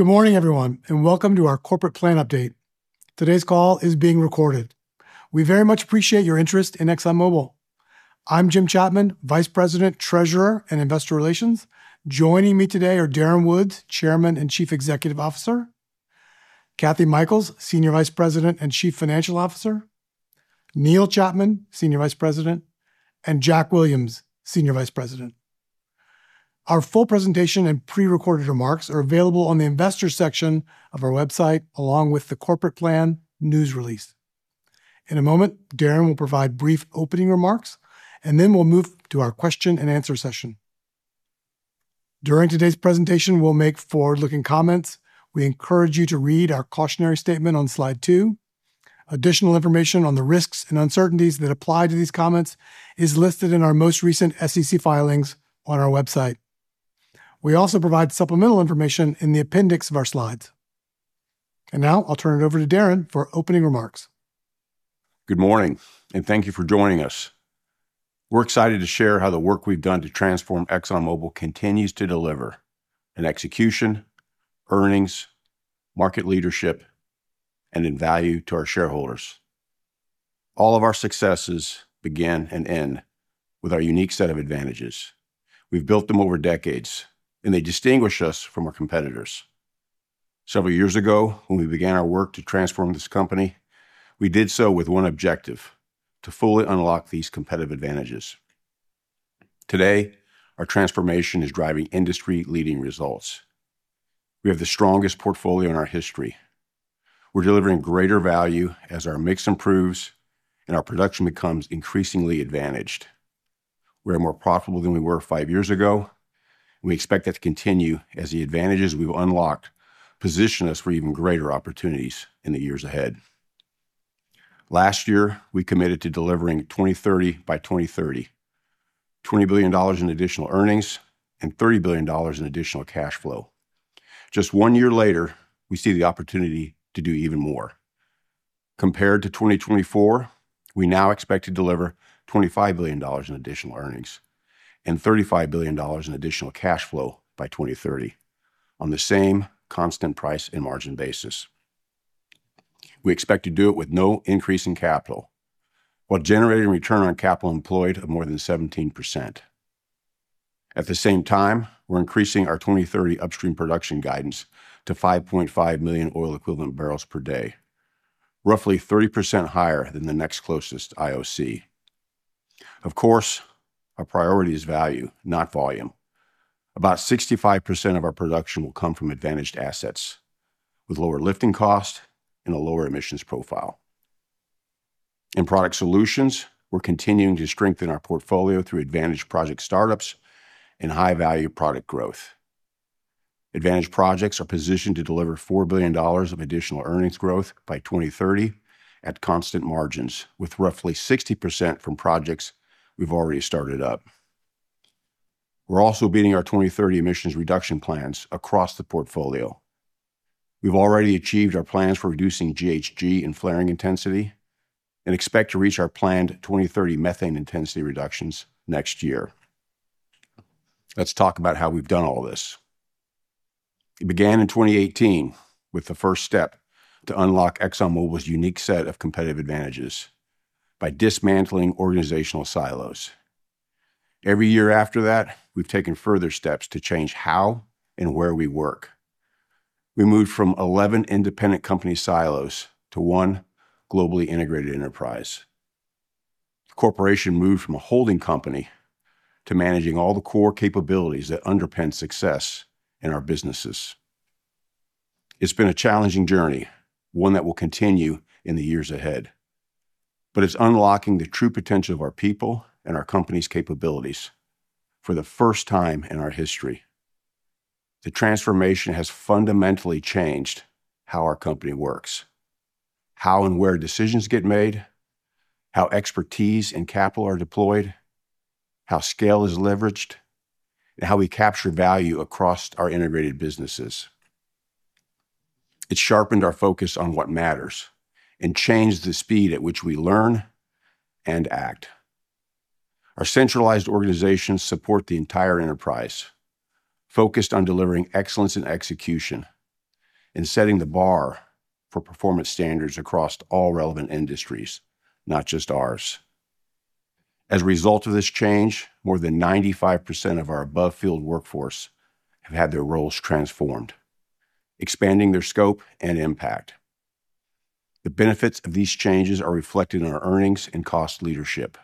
Good morning, everyone, and welcome to our Corporate Plan Update. Today's call is being recorded. We very much appreciate your interest in ExxonMobil. I'm Jim Chapman, Vice President, Treasurer and Investor Relations. Joining me today are Darren Woods, Chairman and Chief Executive Officer, Kathryn Mikells, Senior Vice President and Chief Financial Officer, Neil Chapman, Senior Vice President, and Jack Williams, Senior Vice President. Our full presentation and pre-recorded remarks are available on the Investors section of our website, along with the Corporate Plan News Release. In a moment, Darren will provide brief opening remarks, and then we'll move to our question-and-answer session. During today's presentation, we'll make forward-looking comments. We encourage you to read our cautionary statement on Slide 2. Additional information on the risks and uncertainties that apply to these comments is listed in our most recent SEC filings on our website. We also provide supplemental information in the appendix of our slides. And now, I'll turn it over to Darren for opening remarks. Good morning, and thank you for joining us. We're excited to share how the work we've done to transform ExxonMobil continues to deliver in execution, earnings, market leadership, and in value to our shareholders. All of our successes begin and end with our unique set of advantages. We've built them over decades, and they distinguish us from our competitors. Several years ago, when we began our work to transform this company, we did so with one objective: to fully unlock these competitive advantages. Today, our transformation is driving industry-leading results. We have the strongest portfolio in our history. We're delivering greater value as our mix improves and our production becomes increasingly advantaged. We are more profitable than we were five years ago, and we expect that to continue as the advantages we've unlocked position us for even greater opportunities in the years ahead. Last year, we committed to delivering 2030 by 2030: $20 billion in additional earnings and $30 billion in additional cash flow. Just one year later, we see the opportunity to do even more. Compared to 2024, we now expect to deliver $25 billion in additional earnings and $35 billion in additional cash flow by 2030 on the same constant price and margin basis. We expect to do it with no increase in capital, while generating a return on capital employed of more than 17%. At the same time, we're increasing our 2030 upstream production guidance to 5.5 million oil-equivalent barrels per day, roughly 30% higher than the next closest IOC. Of course, our priority is value, not volume. About 65% of our production will come from advantaged assets, with lower lifting costs and a lower emissions profile. In product solutions, we're continuing to strengthen our portfolio through advantaged project startups and high-value product growth. Advantaged projects are positioned to deliver $4 billion of additional earnings growth by 2030 at constant margins, with roughly 60% from projects we've already started up. We're also beating our 2030 emissions reduction plans across the portfolio. We've already achieved our plans for reducing GHG and flaring intensity and expect to reach our planned 2030 methane intensity reductions next year. Let's talk about how we've done all this. It began in 2018 with the first step to unlock ExxonMobil's unique set of competitive advantages by dismantling organizational silos. Every year after that, we've taken further steps to change how and where we work. We moved from 11 independent company silos to one globally integrated enterprise. The corporation moved from a holding company to managing all the core capabilities that underpin success in our businesses. It's been a challenging journey, one that will continue in the years ahead, but it's unlocking the true potential of our people and our company's capabilities for the first time in our history. The transformation has fundamentally changed how our company works, how and where decisions get made, how expertise and capital are deployed, how scale is leveraged, and how we capture value across our integrated businesses. It's sharpened our focus on what matters and changed the speed at which we learn and act. Our centralized organizations support the entire enterprise, focused on delivering excellence in execution and setting the bar for performance standards across all relevant industries, not just ours. As a result of this change, more than 95% of our above-field workforce have had their roles transformed, expanding their scope and impact. The benefits of these changes are reflected in our earnings and cost leadership.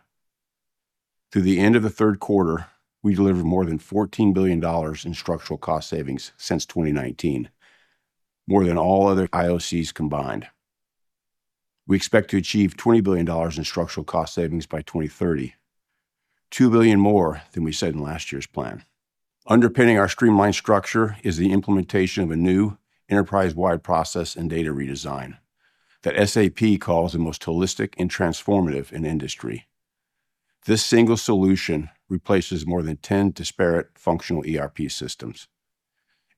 To the end of the third quarter, we delivered more than $14 billion in structural cost savings since 2019, more than all other IOCs combined. We expect to achieve $20 billion in structural cost savings by 2030, two billion more than we said in last year's plan. Underpinning our streamlined structure is the implementation of a new enterprise-wide process and data redesign that SAP calls the most holistic and transformative in industry. This single solution replaces more than 10 disparate functional ERP systems.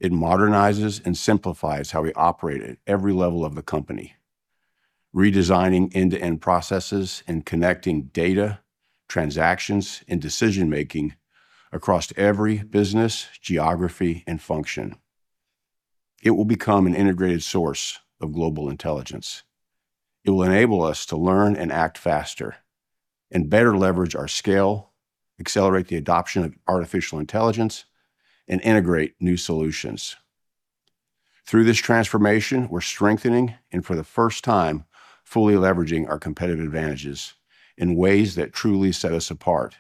It modernizes and simplifies how we operate at every level of the company, redesigning end-to-end processes and connecting data, transactions, and decision-making across every business geography and function. It will become an integrated source of global intelligence. It will enable us to learn and act faster, and better leverage our scale, accelerate the adoption of artificial intelligence, and integrate new solutions. Through this transformation, we're strengthening and, for the first time, fully leveraging our competitive advantages in ways that truly set us apart.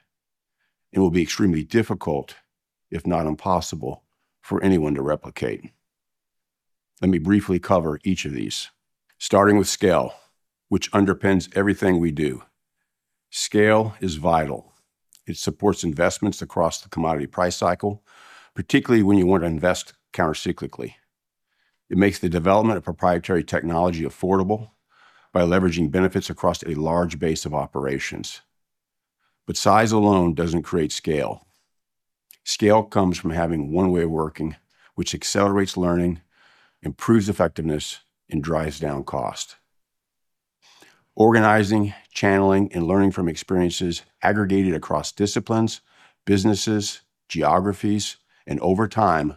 It will be extremely difficult, if not impossible, for anyone to replicate. Let me briefly cover each of these, starting with scale, which underpins everything we do. Scale is vital. It supports investments across the commodity price cycle, particularly when you want to invest countercyclically. It makes the development of proprietary technology affordable by leveraging benefits across a large base of operations. But size alone doesn't create scale. Scale comes from having one way of working, which accelerates learning, improves effectiveness, and drives down cost. Organizing, channeling, and learning from experiences aggregated across disciplines, businesses, geographies, and over time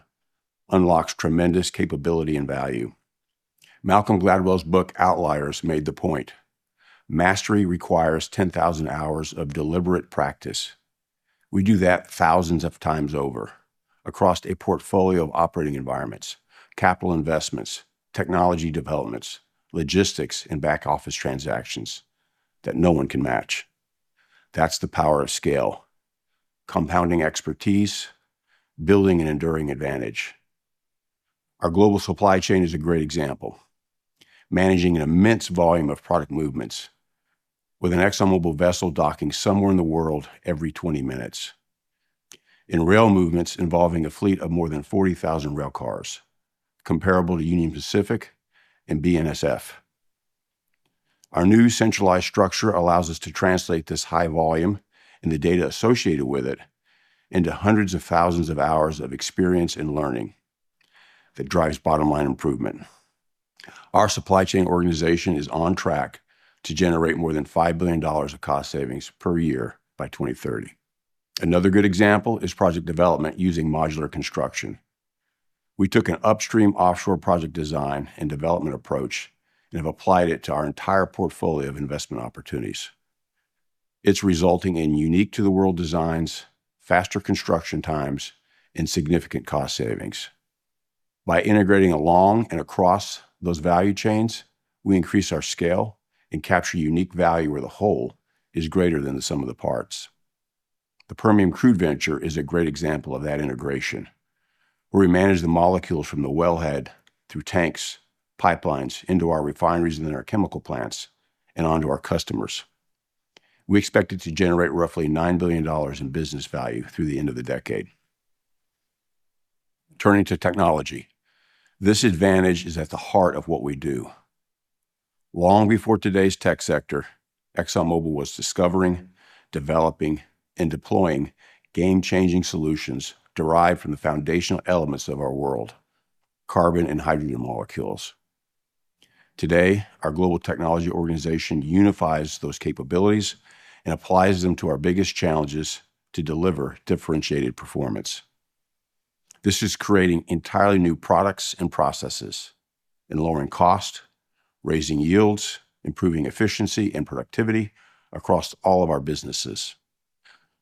unlocks tremendous capability and value. Malcolm Gladwell's book Outliers made the point: mastery requires 10,000 hours of deliberate practice. We do that thousands of times over across a portfolio of operating environments, capital investments, technology developments, logistics, and back-office transactions that no one can match. That's the power of scale: compounding expertise, building an enduring advantage. Our global supply chain is a great example, managing an immense volume of product movements, with an ExxonMobil vessel docking somewhere in the world every 20 minutes, and rail movements involving a fleet of more than 40,000 rail cars, comparable to Union Pacific and BNSF. Our new centralized structure allows us to translate this high volume and the data associated with it into hundreds of thousands of hours of experience and learning that drives bottom-line improvement. Our supply chain organization is on track to generate more than $5 billion of cost savings per year by 2030. Another good example is project development using modular construction. We took an upstream offshore project design and development approach and have applied it to our entire portfolio of investment opportunities. It's resulting in unique-to-the-world designs, faster construction times, and significant cost savings. By integrating along and across those value chains, we increase our scale and capture unique value where the whole is greater than the sum of the parts. The Permian Crude Venture is a great example of that integration, where we manage the molecules from the wellhead through tanks, pipelines, into our refineries and then our chemical plants, and onto our customers. We expect it to generate roughly $9 billion in business value through the end of the decade. Turning to technology, this advantage is at the heart of what we do. Long before today's tech sector, ExxonMobil was discovering, developing, and deploying game-changing solutions derived from the foundational elements of our world: carbon and hydrogen molecules. Today, our global technology organization unifies those capabilities and applies them to our biggest challenges to deliver differentiated performance. This is creating entirely new products and processes, and lowering costs, raising yields, improving efficiency and productivity across all of our businesses.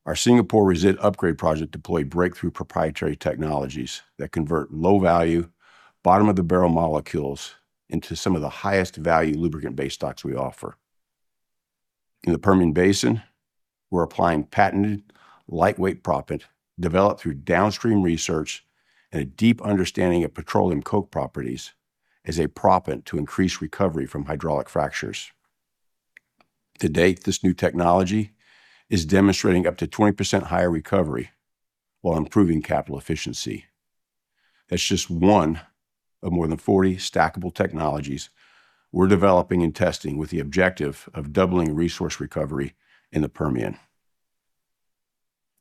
Our Singapore Resid upgrade project deployed breakthrough proprietary technologies that convert low-value, bottom-of-the-barrel molecules into some of the highest-value lubricant-based stocks we offer. In the Permian Basin, we're applying patented lightweight proppant developed through downstream research and a deep understanding of petroleum coke properties as a proppant to increase recovery from hydraulic fractures. To date, this new technology is demonstrating up to 20% higher recovery while improving capital efficiency. That's just one of more than 40 stackable technologies we're developing and testing with the objective of doubling resource recovery in the Permian.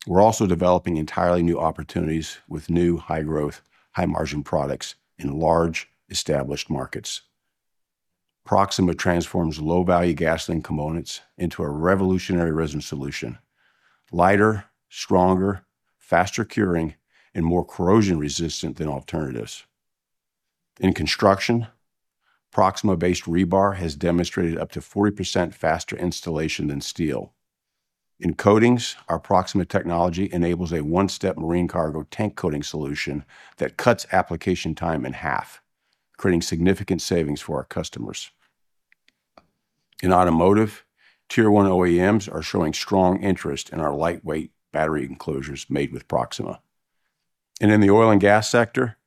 We're also developing entirely new opportunities with new high-growth, high-margin products in large established markets. Proxima transforms low-value gasoline components into a revolutionary resin solution: lighter, stronger, faster curing, and more corrosion-resistant than alternatives. In construction, Proxima-based rebar has demonstrated up to 40% faster installation than steel. In coatings, our Proxima technology enables a one-step marine cargo tank coating solution that cuts application time in half, creating significant savings for our customers. In automotive, tier-one OEMs are showing strong interest in our lightweight battery enclosures made with Proxima. And in the oil and gas sector,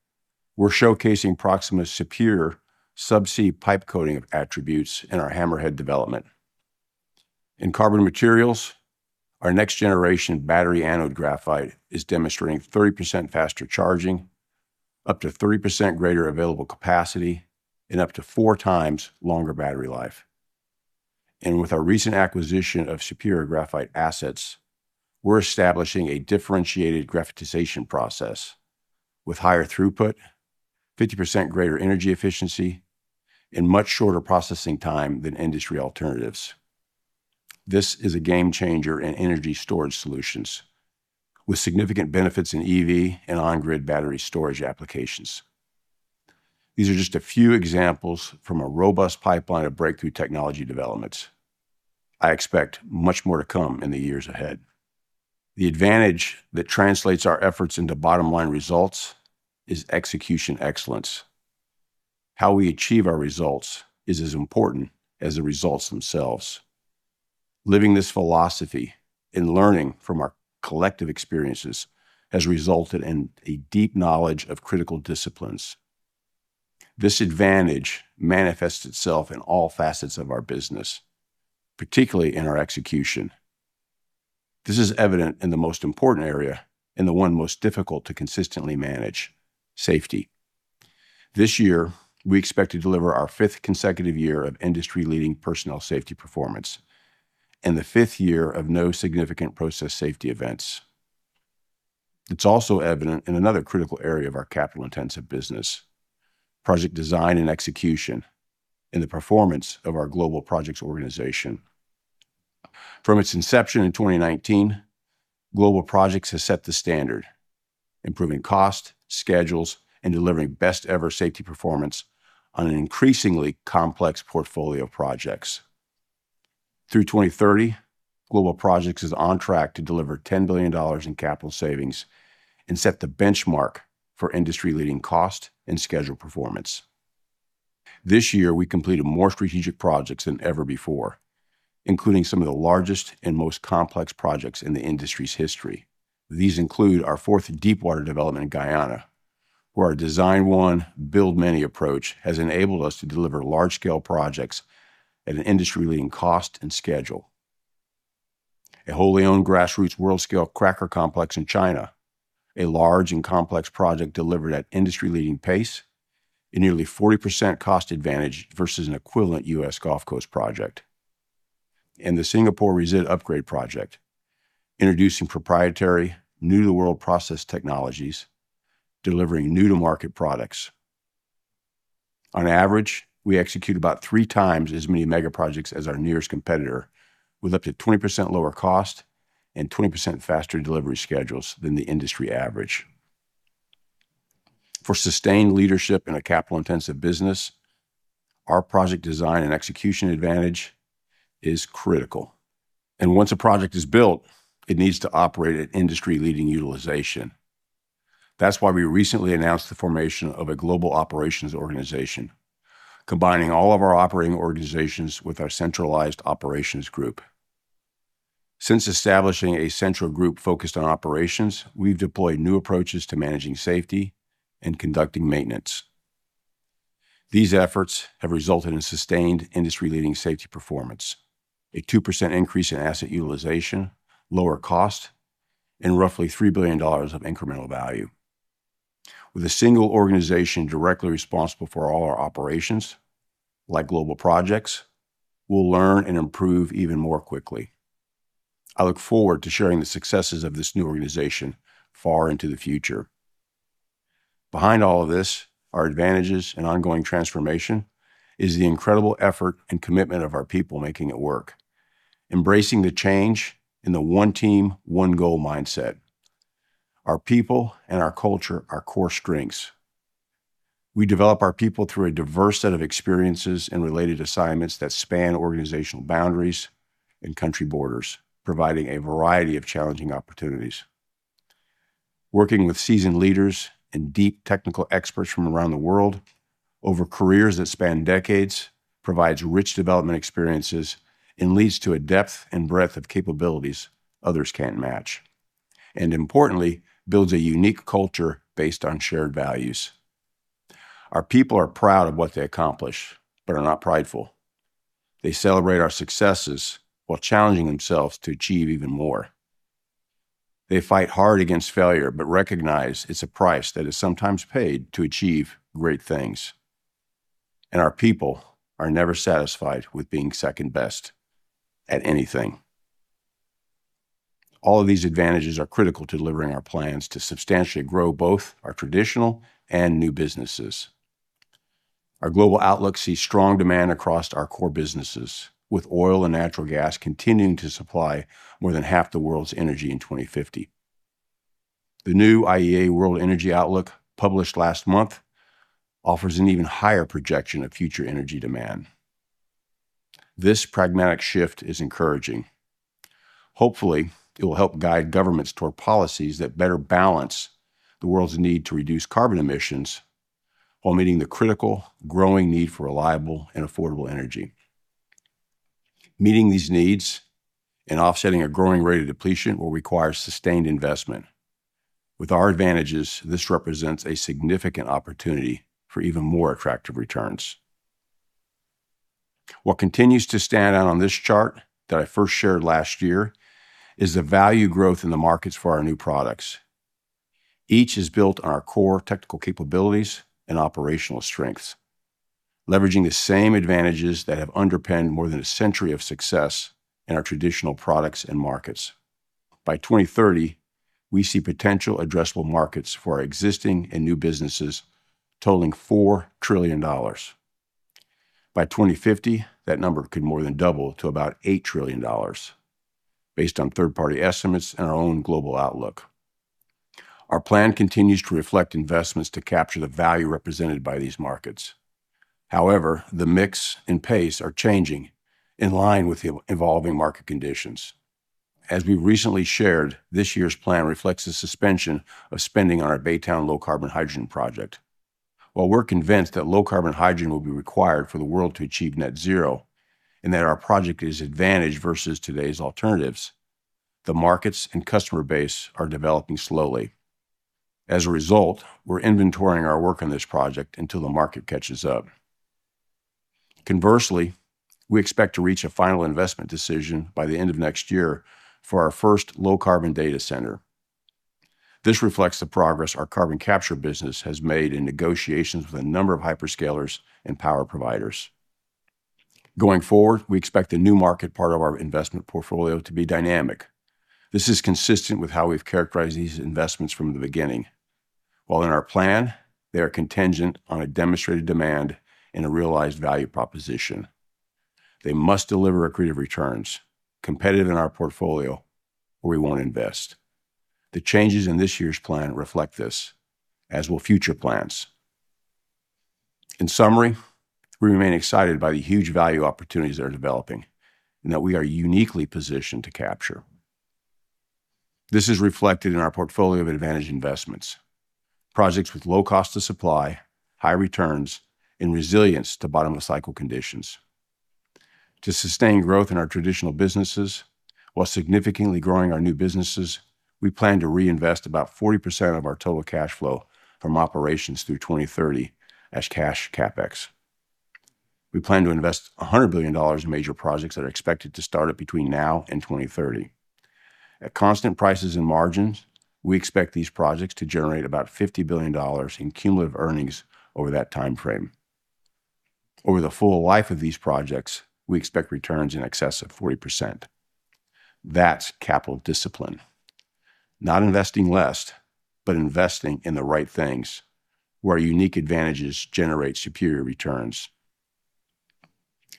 we're showcasing Proxima's superior subsea pipe coating attributes in our Hammerhead development. In carbon materials, our next-generation battery anode graphite is demonstrating 30% faster charging, up to 30% greater available capacity, and up to four times longer battery life. And with our recent acquisition of Superior Graphite Assets, we're establishing a differentiated graphitization process with higher throughput, 50% greater energy efficiency, and much shorter processing time than industry alternatives. This is a game changer in energy storage solutions, with significant benefits in EV and on-grid battery storage applications. These are just a few examples from a robust pipeline of breakthrough technology developments. I expect much more to come in the years ahead. The advantage that translates our efforts into bottom-line results is execution excellence. How we achieve our results is as important as the results themselves. Living this philosophy and learning from our collective experiences has resulted in a deep knowledge of critical disciplines. This advantage manifests itself in all facets of our business, particularly in our execution. This is evident in the most important area and the one most difficult to consistently manage: safety. This year, we expect to deliver our fifth consecutive year of industry-leading personnel safety performance and the fifth year of no significant process safety events. It's also evident in another critical area of our business: project design and execution and the performance of our global projects organization. From its inception in 2019, global projects have set the standard, improving costs, schedules, and delivering best-ever safety performance on an increasingly complex portfolio of projects. Through 2030, global projects is on track to deliver $10 billion in capital savings and set the benchmark for industry-leading cost and schedule performance. This year, we completed more strategic projects than ever before, including some of the largest and most complex projects in the industry's history. These include our fourth deep-water development in Guyana, where our design-one-build-many approach has enabled us to deliver large-scale projects at an industry-leading cost and schedule, a wholly-owned grassroots world-scale cracker complex in China, a large and complex project delivered at industry-leading pace and nearly 40% cost advantage versus an equivalent U.S. Gulf Coast project, and the Singapore Resid upgrade project, introducing proprietary new-to-the-world process technologies, delivering new-to-market products. On average, we execute about three times as many mega projects as our nearest competitor, with up to 20% lower cost and 20% faster delivery schedules than the industry average. For sustained leadership in a capital-intensive business, our project design and execution advantage is critical. And once a project is built, it needs to operate at industry-leading utilization. That's why we recently announced the formation of a global operations organization, combining all of our operating organizations with our centralized operations group. Since establishing a central group focused on operations, we've deployed new approaches to managing safety and conducting maintenance. These efforts have resulted in sustained industry-leading safety performance, a 2% increase in asset utilization, lower cost, and roughly $3 billion of incremental value. With a single organization directly responsible for all our operations, like global projects, we'll learn and improve even more quickly. I look forward to sharing the successes of this new organization far into the future. Behind all of this, our advantages and ongoing transformation is the incredible effort and commitment of our people making it work, embracing the change in the one-team, one-goal mindset. Our people and our culture are core strengths. We develop our people through a diverse set of experiences and related assignments that span organizational boundaries and country borders, providing a variety of challenging opportunities. Working with seasoned leaders and deep technical experts from around the world over careers that span decades provides rich development experiences and leads to a depth and breadth of capabilities others can't match, and importantly, builds a unique culture based on shared values. Our people are proud of what they accomplish but are not prideful. They celebrate our successes while challenging themselves to achieve even more. They fight hard against failure but recognize it's a price that is sometimes paid to achieve great things, and our people are never satisfied with being second best at anything. All of these advantages are critical to delivering our plans to substantially grow both our traditional and new businesses. Our global outlook sees strong demand across our core businesses, with oil and natural gas continuing to supply more than half the world's energy in 2050. The new IEA World Energy Outlook, published last month, offers an even higher projection of future energy demand. This pragmatic shift is encouraging. Hopefully, it will help guide governments toward policies that better balance the world's need to reduce carbon emissions while meeting the critical growing need for reliable and affordable energy. Meeting these needs and offsetting a growing rate of depletion will require sustained investment. With our advantages, this represents a significant opportunity for even more attractive returns. What continues to stand out on this chart that I first shared last year is the value growth in the markets for our new products. Each is built on our core technical capabilities and operational strengths, leveraging the same advantages that have underpinned more than a century of success in our traditional products and markets. By 2030, we see potential addressable markets for our existing and new businesses totaling $4 trillion. By 2050, that number could more than double to about $8 trillion, based on third-party estimates and our own global outlook. Our plan continues to reflect investments to capture the value represented by these markets. However, the mix and pace are changing in line with the evolving market conditions. As we recently shared, this year's plan reflects the suspension of spending on our Baytown low-carbon hydrogen project. While we're convinced that low-carbon hydrogen will be required for the world to achieve net zero and that our project is advantage versus today's alternatives, the markets and customer base are developing slowly. As a result, we're inventorying our work on this project until the market catches up. Conversely, we expect to reach a final investment decision by the end of next year for our first low-carbon data center. This reflects the progress our carbon capture business has made in negotiations with a number of hyperscalers and power providers. Going forward, we expect the new market part of our investment portfolio to be dynamic. This is consistent with how we've characterized these investments from the beginning. While in our plan, they are contingent on a demonstrated demand and a realized value proposition. They must deliver accretive returns, competitive in our portfolio, or we won't invest. The changes in this year's plan reflect this, as will future plans. In summary, we remain excited by the huge value opportunities that are developing and that we are uniquely positioned to capture. This is reflected in our portfolio of advantage investments: projects with low cost of supply, high returns, and resilience to bottom-of-cycle conditions. To sustain growth in our traditional businesses, while significantly growing our new businesses, we plan to reinvest about 40% of our total cash flow from operations through 2030 as cash CapEx. We plan to invest $100 billion in major projects that are expected to start up between now and 2030. At constant prices and margins, we expect these projects to generate about $50 billion in cumulative earnings over that timeframe. Over the full life of these projects, we expect returns in excess of 40%. That's capital discipline. Not investing less, but investing in the right things, where our unique advantages generate superior returns.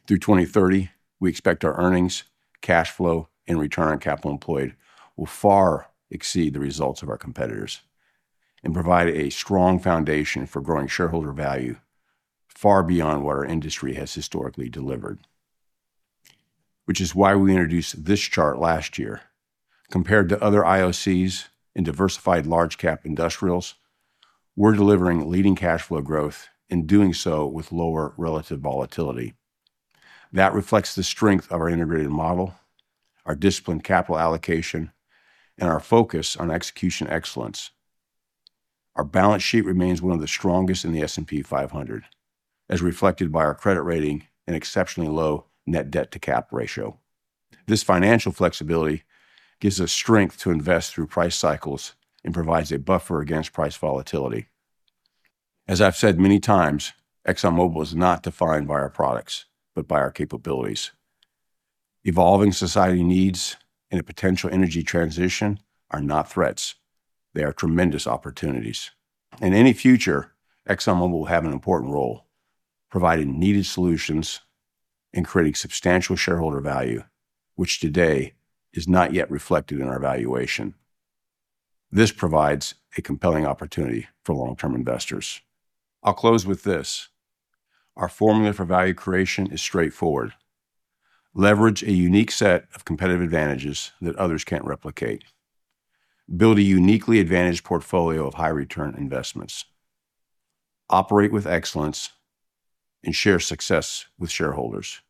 Through 2030, we expect our earnings, cash flow, and return on capital employed will far exceed the results of our competitors and provide a strong foundation for growing shareholder value far beyond what our industry has historically delivered. Which is why we introduced this chart last year. Compared to other IOCs and diversified large-cap industrials, we're delivering leading cash flow growth and doing so with lower relative volatility. That reflects the strength of our integrated model, our disciplined capital allocation, and our focus on execution excellence. Our balance sheet remains one of the strongest in the S&P 500, as reflected by our credit rating and exceptionally low net debt-to-capital ratio. This financial flexibility gives us strength to invest through price cycles and provides a buffer against price volatility. As I've said many times, ExxonMobil is not defined by our products, but by our capabilities. Evolving society needs and a potential energy transition are not threats. They are tremendous opportunities. In any future, ExxonMobil will have an important role, providing needed solutions and creating substantial shareholder value, which today is not yet reflected in our valuation. This provides a compelling opportunity for long-term investors. I'll close with this: our formula for value creation is straightforward. Leverage a unique set of competitive advantages that others can't replicate. Build a uniquely advantaged portfolio of high-return investments. Operate with excellence and share success with shareholders.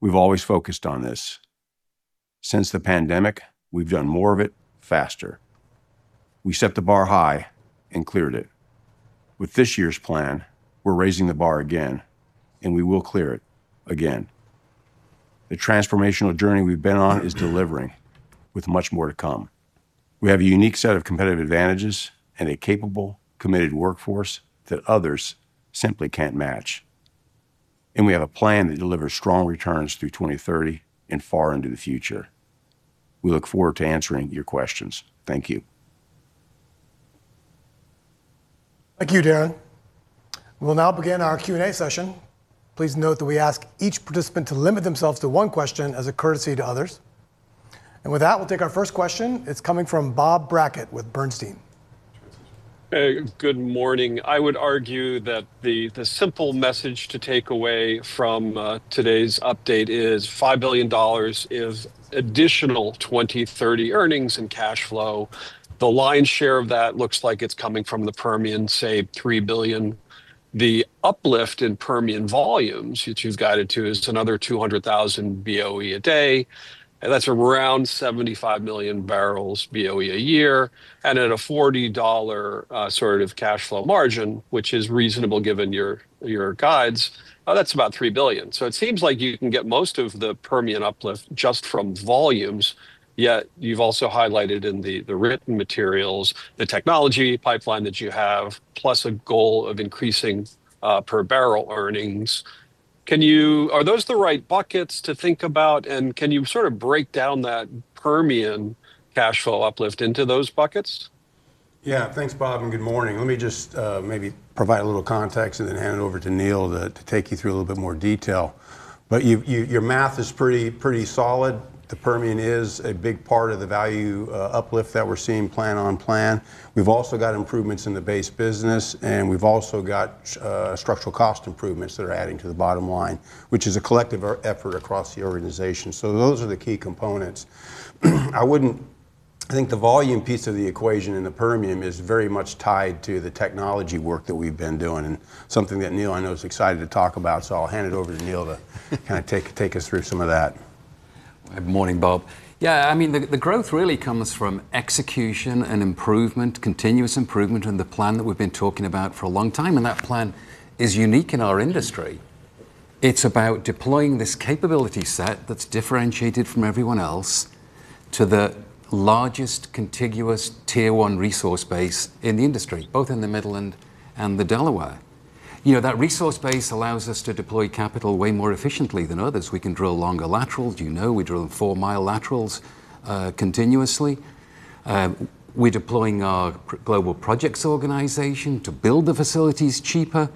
We've always focused on this. Since the pandemic, we've done more of it faster. We set the bar high and cleared it. With this year's plan, we're raising the bar again, and we will clear it again. The transformational journey we've been on is delivering, with much more to come. We have a unique set of competitive advantages and a capable, committed workforce that others simply can't match. And we have a plan that delivers strong returns through 2030 and far into the future. We look forward to answering your questions. Thank you. Thank you, Darren. We'll now begin our Q&A session. Please note that we ask each participant to limit themselves to one question as a courtesy to others. And with that, we'll take our first question. It's coming from Bob Brackett with Bernstein. Good morning. I would argue that the simple message to take away from today's update is $5 billion is additional 2030 earnings and cash flow. The lion's share of that looks like it's coming from the Permian, say, $3 billion. The uplift in Permian volumes, which you've guided to, is another 200,000 BOE a day. That's around 75 million barrels BOE a year. And at a $40 sort of cash flow margin, which is reasonable given your guides, that's about $3 billion. So it seems like you can get most of the Permian uplift just from volumes, yet you've also highlighted in the written materials the technology pipeline that you have, plus a goal of increasing per barrel earnings. Are those the right buckets to think about? And can you sort of break down that Permian cash flow uplift into those buckets? Yeah. Thanks, Bob, and good morning. Let me just maybe provide a little context and then hand it over to Neil to take you through a little bit more detail. But your math is pretty solid. The Permian is a big part of the value uplift that we're seeing plan on plan. We've also got improvements in the base business, and we've also got structural cost improvements that are adding to the bottom line, which is a collective effort across the organization. So those are the key components. I think the volume piece of the equation in the Permian is very much tied to the technology work that we've been doing and something that Neil, I know, is excited to talk about. So I'll hand it over to Neil to kind of take us through some of that. Good morning, Bob. Yeah. I mean, the growth really comes from execution and improvement, continuous improvement in the plan that we've been talking about for a long time. And that plan is unique in our industry. It's about deploying this capability set that's differentiated from everyone else to the largest contiguous tier-one resource base in the industry, both in the Midland and the Delaware. That resource base allows us to deploy capital way more efficiently than others. We can drill longer laterals. You know we drill four-mile laterals continuously. We're deploying our global projects organization to build the facilities cheaper.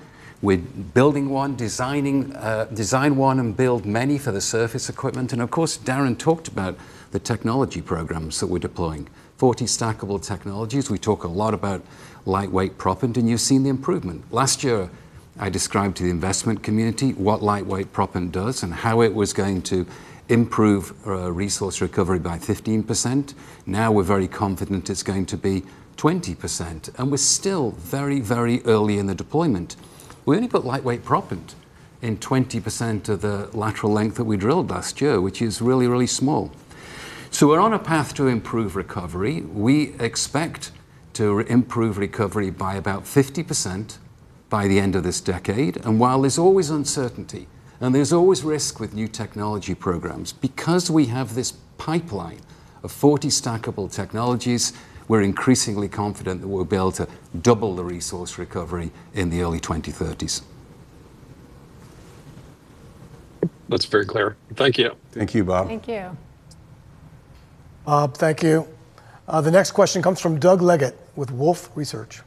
We're building one, designing one, and building many for the surface equipment, and of course, Darren talked about the technology programs that we're deploying: 40 stackable technologies. We talk a lot about lightweight proppant, and you've seen the improvement. Last year, I described to the investment community what lightweight proppant does and how it was going to improve resource recovery by 15%. Now we're very confident it's going to be 20%. And we're still very, very early in the deployment. We only put lightweight proppant in 20% of the lateral length that we drilled last year, which is really, really small, so we're on a path to improve recovery. We expect to improve recovery by about 50% by the end of this decade. And while there's always uncertainty and there's always risk with new technology programs, because we have this pipeline of 40 stackable technologies, we're increasingly confident that we'll be able to double the resource recovery in the early 2030s. That's very clear. Thank you. Thank you, Bob. Thank you. Bob, thank you. The next question comes from Doug Leggett with Wolfe Research.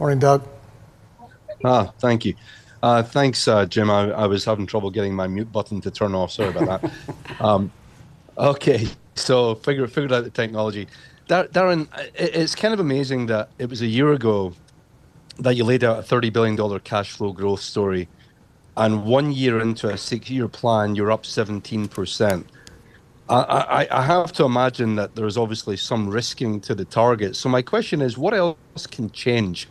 Morning, Doug. Thank you. Thanks, Jim. I was having trouble getting my mute button to turn off. Sorry about that. Okay. So figure out the technology. Darren, it's kind of amazing that it was a year ago that you laid out a $30 billion cash flow growth story. And one year into a six-year plan, you're up 17%. I have to imagine that there is obviously some risking to the target. So my question is, what else can change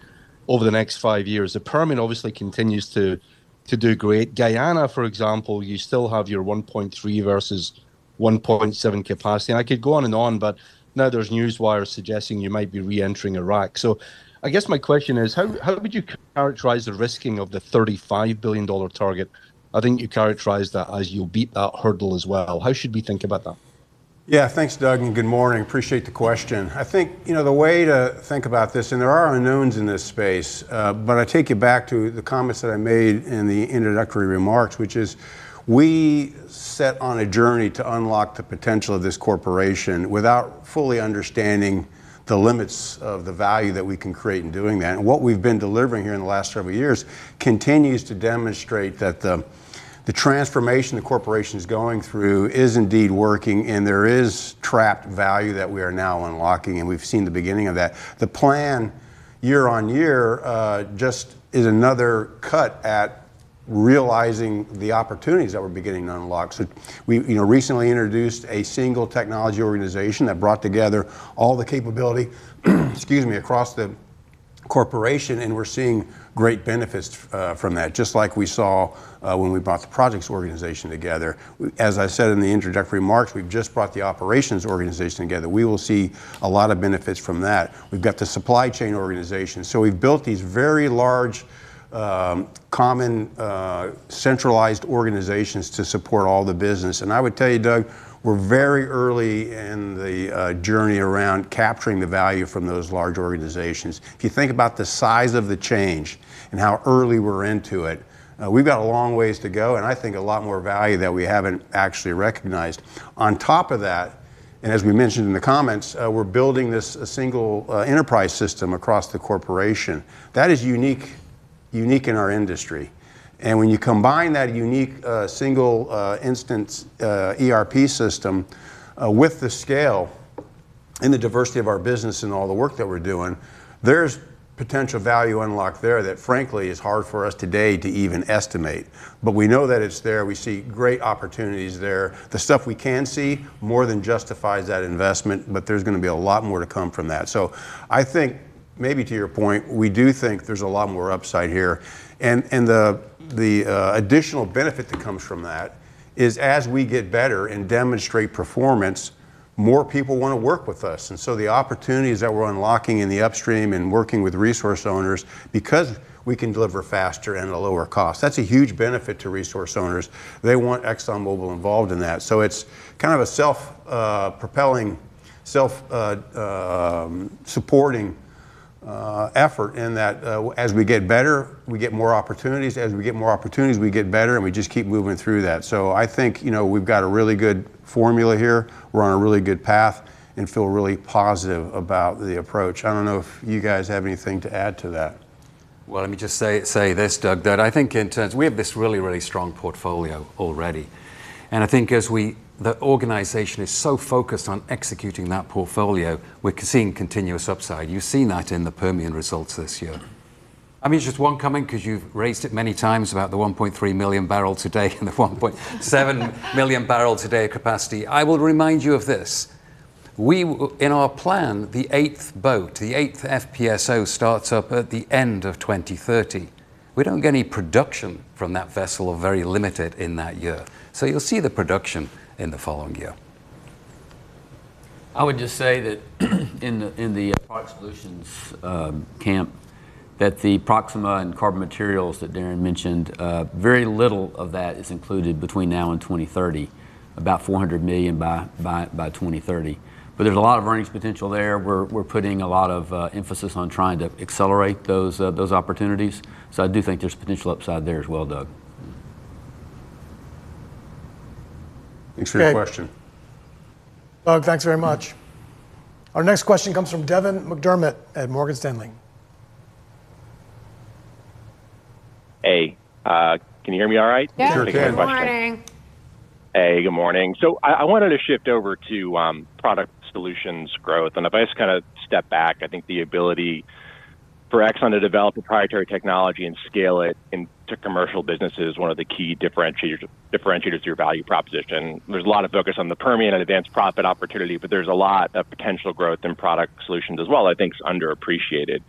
over the next five years? The Permian obviously continues to do great. Guyana, for example, you still have your 1.3 versus 1.7 capacity. And I could go on and on, but now there's news wires suggesting you might be re-entering Iraq. So I guess my question is, how would you characterize the risking of the $35 billion target? I think you characterized that as you'll beat that hurdle as well. How should we think about that? Yeah. Thanks, Doug, and good morning. Appreciate the question. I think the way to think about this, and there are unknowns in this space, but I take you back to the comments that I made in the introductory remarks, which is we set out on a journey to unlock the potential of this corporation without fully understanding the limits of the value that we can create in doing that. And what we've been delivering here in the last several years continues to demonstrate that the transformation the corporation is going through is indeed working, and there is trapped value that we are now unlocking. And we've seen the beginning of that. The plan year on year just is another cut at realizing the opportunities that we're beginning to unlock. So we recently introduced a single technology organization that brought together all the capability across the corporation, and we're seeing great benefits from that, just like we saw when we brought the projects organization together. As I said in the introductory remarks, we've just brought the operations organization together. We will see a lot of benefits from that. We've got the supply chain organization. So we've built these very large common centralized organizations to support all the business. And I would tell you, Doug, we're very early in the journey around capturing the value from those large organizations. If you think about the size of the change and how early we're into it, we've got a long ways to go, and I think a lot more value that we haven't actually recognized. On top of that, and as we mentioned in the comments, we're building this single enterprise system across the corporation. That is unique in our industry, and when you combine that unique single instance ERP system with the scale and the diversity of our business and all the work that we're doing, there's potential value unlocked there that, frankly, is hard for us today to even estimate, but we know that it's there. We see great opportunities there. The stuff we can see more than justifies that investment, but there's going to be a lot more to come from that, so I think, maybe to your point, we do think there's a lot more upside here, and the additional benefit that comes from that is, as we get better and demonstrate performance, more people want to work with us. And so the opportunities that we're unlocking in the upstream and working with resource owners, because we can deliver faster and at a lower cost, that's a huge benefit to resource owners. They want ExxonMobil involved in that. So it's kind of a self-propelling, self-supporting effort in that as we get better, we get more opportunities. As we get more opportunities, we get better, and we just keep moving through that. So I think we've got a really good formula here. We're on a really good path and feel really positive about the approach. I don't know if you guys have anything to add to that. Well, let me just say this, Doug, that I think in terms we have this really, really strong portfolio already. And I think as the organization is so focused on executing that portfolio, we're seeing continuous upside. You've seen that in the Permian results this year. I mean, just one comment, because you've raised it many times about the 1.3 million barrels a day and the 1.7 million barrels a day of capacity. I will remind you of this. In our plan, the eighth boat, the eighth FPSO, starts up at the end of 2030. We don't get any production from that vessel or very limited in that year. So you'll see the production in the following year. I would just say that in the product solutions camp, that the Proxima and carbon materials that Darren mentioned, very little of that is included between now and 2030, about $400 million by 2030. But there's a lot of earnings potential there. We're putting a lot of emphasis on trying to accelerate those opportunities. So I do think there's potential upside there as well, Doug. Thanks for your question. Thanks very much. Our next question comes from Devin McDermott at Morgan Stanley. Hey. Can you hear me all right? Yeah. Good morning. Hey. Good morning. So I wanted to shift over to Product Solutions growth. And if I just kind of step back, I think the ability for Exxon to develop proprietary technology and scale it into commercial businesses is one of the key differentiators to your value proposition. There's a lot of focus on the Permian and advanced profit opportunity, but there's a lot of potential growth in Product Solutions as well, I think, is underappreciated.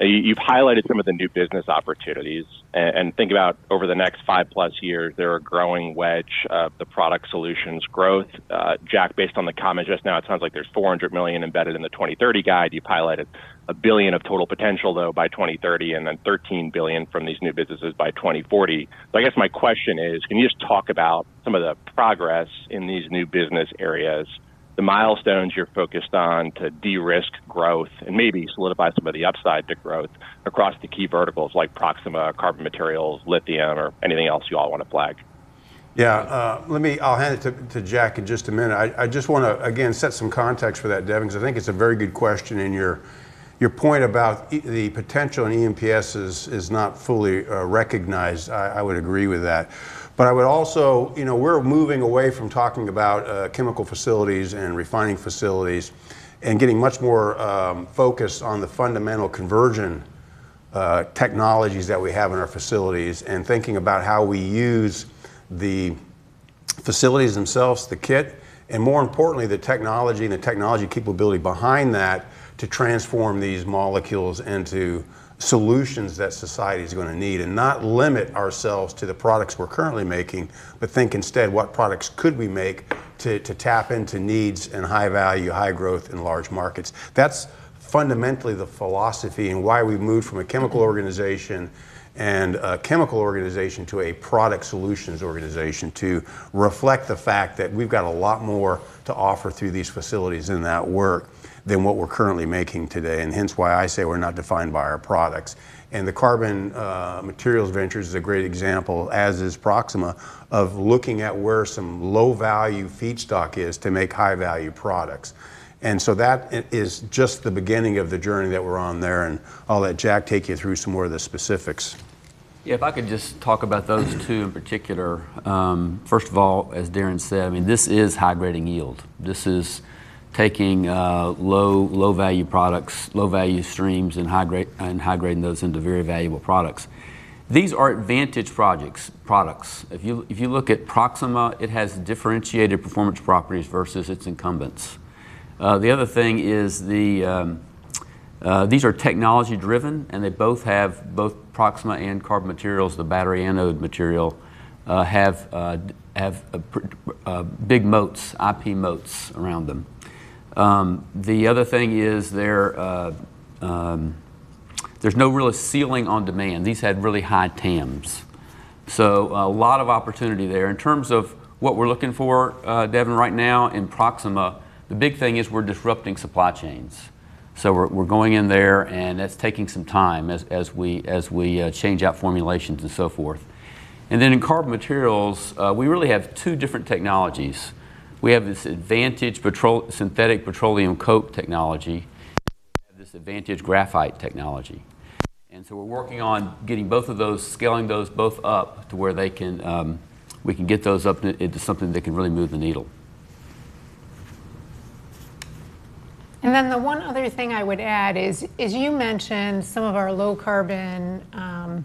You've highlighted some of the new business opportunities. And think about over the next five-plus years, there are growing wedge of the Product Solutions growth. Jack, based on the comment just now, it sounds like there's $400 million embedded in the 2030 guide. You've highlighted a billion of total potential, though, by 2030, and then 13 billion from these new businesses by 2040. So I guess my question is, can you just talk about some of the progress in these new business areas, the milestones you're focused on to de-risk growth and maybe solidify some of the upside to growth across the key verticals like Proxima, carbon materials, lithium, or anything else you all want to flag? Yeah. I'll hand it to Jack in just a minute. I just want to, again, set some context for that, Devin, because I think it's a very good question. And your point about the potential in EMPS is not fully recognized. I would agree with that. But I would also, we're moving away from talking about chemical facilities and refining facilities and getting much more focused on the fundamental conversion technologies that we have in our facilities and thinking about how we use the facilities themselves, the kit, and more importantly, the technology and the technology capability behind that to transform these molecules into solutions that society is going to need and not limit ourselves to the products we're currently making, but think instead what products could we make to tap into needs and high value, high growth in large markets? That's fundamentally the philosophy and why we moved from a chemical organization to a product solutions organization to reflect the fact that we've got a lot more to offer through these facilities in that work than what we're currently making today, and hence why I say we're not defined by our products. And the carbon materials ventures is a great example, as is Proxima, of looking at where some low-value feedstock is to make high-value products. And so that is just the beginning of the journey that we're on there. And I'll let Jack take you through some more of the specifics. Yeah. If I could just talk about those two in particular. First of all, as Darren said, I mean, this is upgrading yield. This is taking low-value products, low-value streams, and upgrading those into very valuable products. These are advantage projects. If you look at Proxima, it has differentiated performance properties versus its incumbents. The other thing is these are technology-driven, and they both have both Proxima and carbon materials. The battery anode material has big moats, IP moats, around them. The other thing is there's no real ceiling on demand. These had really high TAMs. So a lot of opportunity there. In terms of what we're looking for, Devin, right now in Proxima, the big thing is we're disrupting supply chains. So we're going in there, and that's taking some time as we change out formulations and so forth. And then in carbon materials, we really have two different technologies. We have this advanced synthetic petroleum coke technology. We have this advanced graphite technology. And so we're working on getting both of those, scaling those both up to where we can get those up into something that can really move the needle. And then the one other thing I would add is you mentioned some of our low-carbon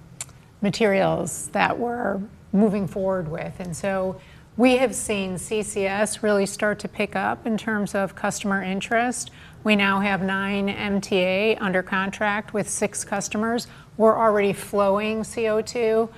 materials that we're moving forward with. And so we have seen CCS really start to pick up in terms of customer interest. We now have nine MTA under contract with six customers. We're already flowing CO2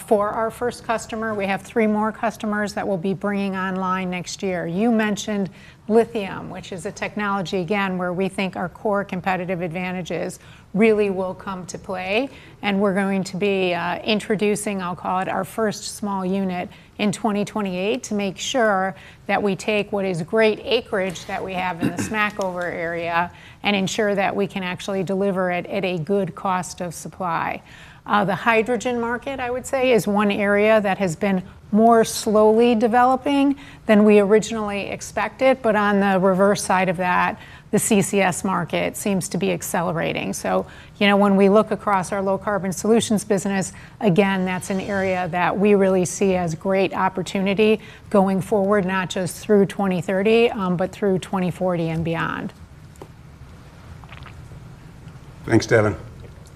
for our first customer. We have three more customers that we'll be bringing online next year. You mentioned lithium, which is a technology, again, where we think our core competitive advantages really will come to play. We're going to be introducing, I'll call it, our first small unit in 2028 to make sure that we take what is great acreage that we have in the Smackover area and ensure that we can actually deliver it at a good cost of supply. The hydrogen market, I would say, is one area that has been more slowly developing than we originally expected. On the reverse side of that, the CCS market seems to be accelerating. When we look across our low-carbon solutions business, again, that's an area that we really see as great opportunity going forward, not just through 2030, but through 2040 and beyond. Thanks, Devin.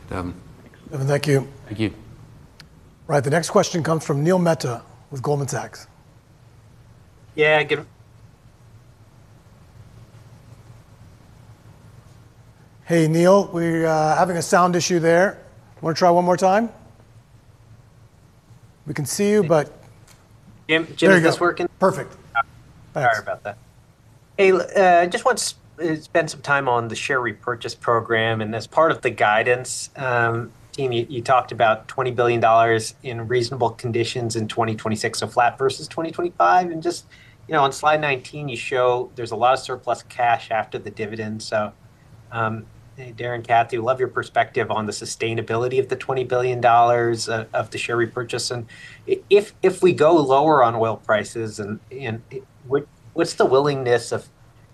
Thank you. Thank you. All right. The next question comes from Neil Mehta with Goldman Sachs. Yeah. Hey, Neil. We're having a sound issue there. Want to try one more time? We can see you, but. Jim's working. Perfect. Sorry about that. Hey. I just want to spend some time on the share repurchase program, and as part of the guidance team, you talked about $20 billion in reasonable conditions in 2026, so flat versus 2025. And just on slide 19, you show there's a lot of surplus cash after the dividend, so Darren and Kathy, we love your perspective on the sustainability of the $20 billion of the share repurchase, and if we go lower on oil prices, what's the willingness of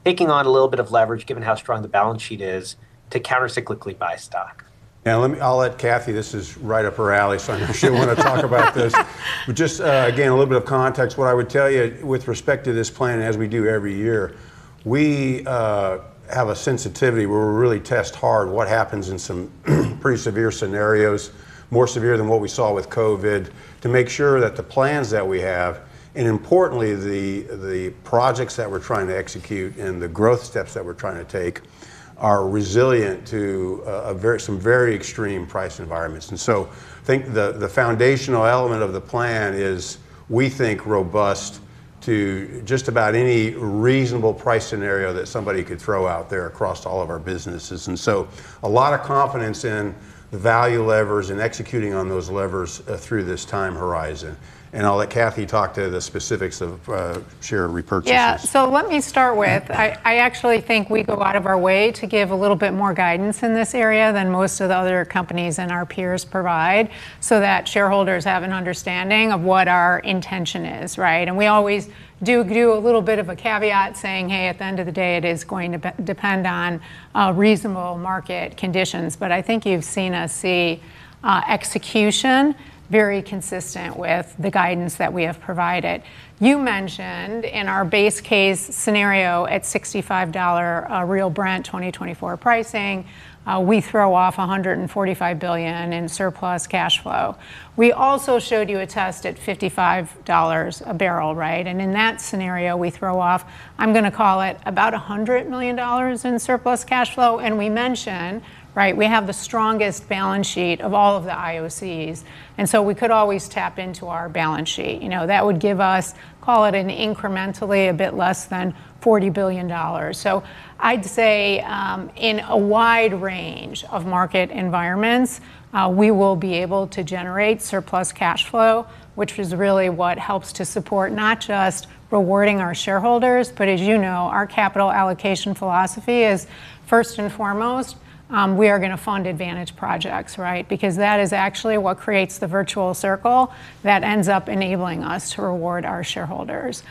taking on a little bit of leverage, given how strong the balance sheet is, to countercyclically buy stock? Yeah. I'll let Kathy, this is right up her alley, so I'm sure she'll want to talk about this, but just, again, a little bit of context. What I would tell you with respect to this plan, as we do every year, we have a sensitivity where we really test hard what happens in some pretty severe scenarios, more severe than what we saw with COVID, to make sure that the plans that we have and, importantly, the projects that we're trying to execute and the growth steps that we're trying to take are resilient to some very extreme price environments. And so I think the foundational element of the plan is, we think, robust to just about any reasonable price scenario that somebody could throw out there across all of our businesses. And so a lot of confidence in the value levers and executing on those levers through this time horizon. And I'll let Kathy talk to the specifics of share repurchases. Yeah. So let me start with, I actually think we go out of our way to give a little bit more guidance in this area than most of the other companies and our peers provide so that shareholders have an understanding of what our intention is, right? And we always do a little bit of a caveat saying, "Hey, at the end of the day, it is going to depend on reasonable market conditions." But I think you've seen us see execution very consistent with the guidance that we have provided. You mentioned in our base case scenario at $65 real Brent 2024 pricing, we throw off $145 billion in surplus cash flow. We also showed you a test at $55 a barrel, right? And in that scenario, we throw off, I'm going to call it, about $100 million in surplus cash flow. We mentioned, right, we have the strongest balance sheet of all of the IOCs, so we could always tap into our balance sheet. That would give us, call it incrementally, a bit less than $40 billion, so I'd say in a wide range of market environments, we will be able to generate surplus cash flow, which is really what helps to support not just rewarding our shareholders, but as you know, our capital allocation philosophy is, first and foremost, we are going to fund advantaged projects, right? Because that is actually what creates the virtuous circle that ends up enabling us to reward our shareholders.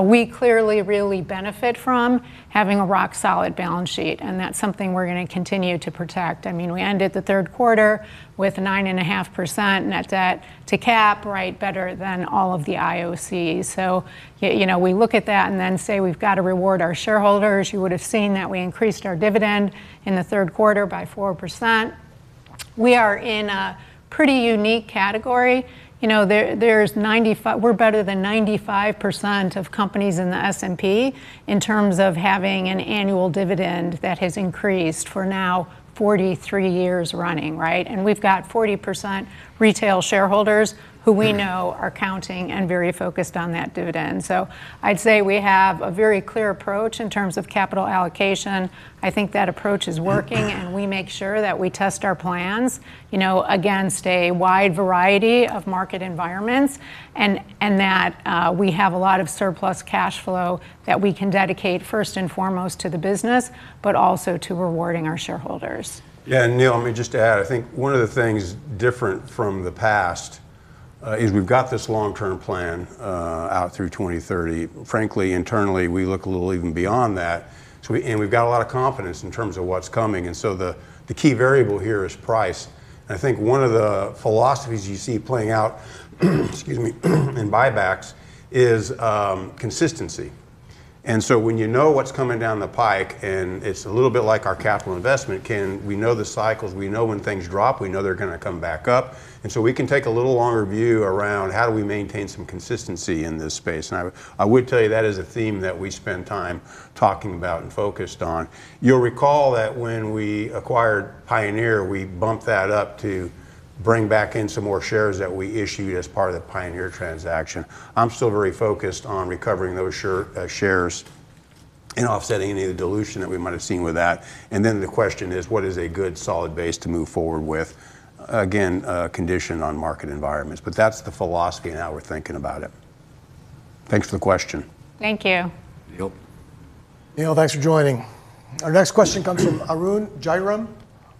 We clearly really benefit from having a rock-solid balance sheet, and that's something we're going to continue to protect. I mean, we ended the third quarter with 9.5% net debt-to-capital, right, better than all of the IOCs. We look at that and then say, "We've got to reward our shareholders." You would have seen that we increased our dividend in the third quarter by 4%. We are in a pretty unique category. We're better than 95% of companies in the S&P in terms of having an annual dividend that has increased for now 43 years running, right? We've got 40% retail shareholders who we know are counting and very focused on that dividend. I'd say we have a very clear approach in terms of capital allocation. I think that approach is working, and we make sure that we test our plans against a wide variety of market environments, and that we have a lot of surplus cash flow that we can dedicate, first and foremost, to the business, but also to rewarding our shareholders. Yeah. And, Neil, let me just add. I think one of the things different from the past is we've got this long-term plan out through 2030. Frankly, internally, we look a little even beyond that. And we've got a lot of confidence in terms of what's coming. And so the key variable here is price. And I think one of the philosophies you see playing out, excuse me, in buybacks is consistency. And so when you know what's coming down the pike, and it's a little bit like our capital investment, we know the cycles. We know when things drop. We know they're going to come back up. And so we can take a little longer view around how do we maintain some consistency in this space. And I would tell you that is a theme that we spend time talking about and focused on. You'll recall that when we acquired Pioneer, we bumped that up to bring back in some more shares that we issued as part of the Pioneer transaction. I'm still very focused on recovering those shares and offsetting any of the dilution that we might have seen with that. And then the question is, what is a good solid base to move forward with? Again, condition on market environments. But that's the philosophy now we're thinking about it. Thanks for the question. Thank you. Neil. Neil, thanks for joining. Our next question comes from Arun Jayaram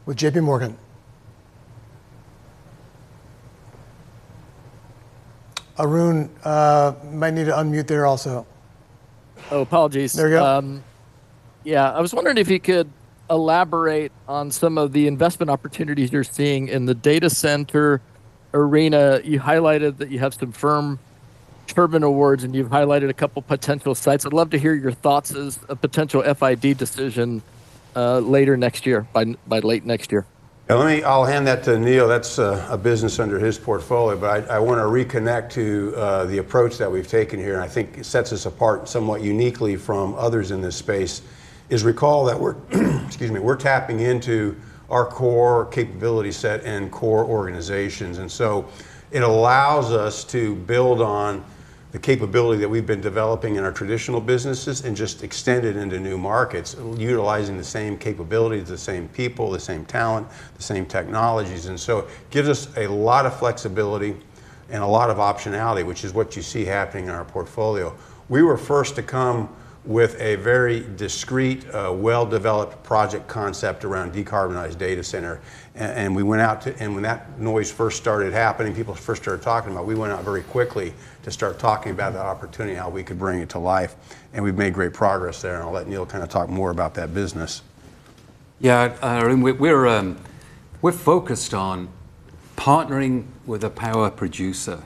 with J.P. Morgan. Arun, you might need to unmute there also. Oh, apologies. There you go. Yeah. I was wondering if you could elaborate on some of the investment opportunities you're seeing in the data center arena. You highlighted that you have some firm turbine awards, and you've highlighted a couple of potential sites. I'd love to hear your thoughts as a potential FID decision later next year, by late next year. I'll hand that to Neil. That's a business under his portfolio, but I want to reconnect to the approach that we've taken here, and I think it sets us apart somewhat uniquely from others in this space. Recall that we're, excuse me, we're tapping into our core capability set and core organizations, and so it allows us to build on the capability that we've been developing in our traditional businesses and just extend it into new markets, utilizing the same capabilities, the same people, the same talent, the same technologies, and so it gives us a lot of flexibility and a lot of optionality, which is what you see happening in our portfolio. We were first to come with a very discrete, well-developed project concept around decarbonized data center. And we went out—and when that noise first started happening, people first started talking about it, we went out very quickly to start talking about that opportunity, how we could bring it to life. And we've made great progress there. And I'll let Neil kind of talk more about that business. Yeah. We're focused on partnering with a power producer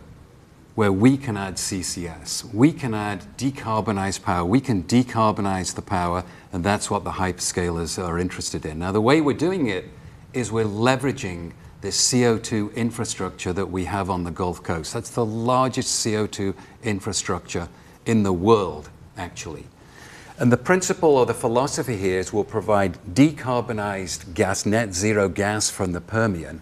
where we can add CCS. We can add decarbonized power. We can decarbonize the power, and that's what the hyperscalers are interested in. Now, the way we're doing it is we're leveraging the CO2 infrastructure that we have on the Gulf Coast. That's the largest CO2 infrastructure in the world, actually. And the principle or the philosophy here is we'll provide decarbonized gas, net zero gas from the Permian,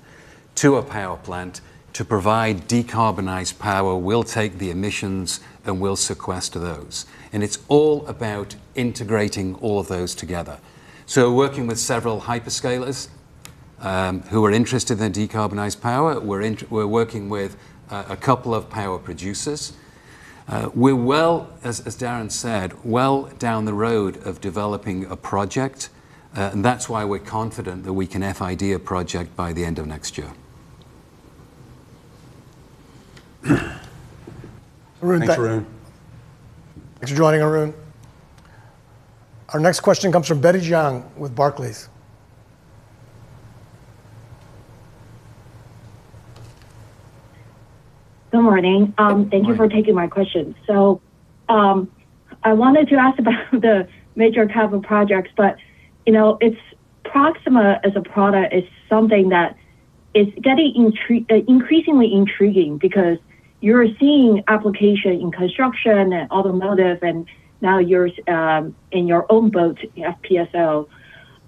to a power plant to provide decarbonized power. We'll take the emissions and we'll sequester those. It's all about integrating all of those together. So we're working with several hyperscalers who are interested in decarbonized power. We're working with a couple of power producers. We're well (as Darren said) well down the road of developing a project. And that's why we're confident that we can FID a project by the end of next year. Arun. Thanks, Arun. Thanks for joining, Arun. Our next question comes from Betty Jiang with Barclays. Good morning. Thank you for taking my question. So I wanted to ask about the major capital projects. But Proxima as a product is something that is getting increasingly intriguing because you're seeing application in construction and automotive, and now you're in your own boat, FPSO.